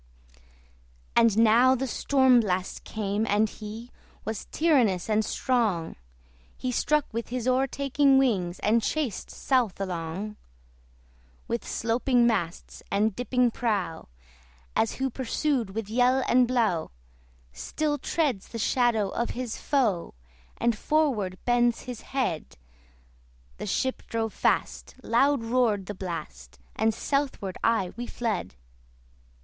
And now the STORM BLAST came, and he Was tyrannous and strong: He struck with his o'ertaking wings, And chased south along. With sloping masts and dipping prow, As who pursued with yell and blow Still treads the shadow of his foe And forward bends his head, The ship drove fast, loud roared the blast, And southward aye we fled.